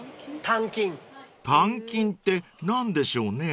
［鍛金って何でしょうね］